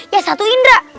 yang satu indra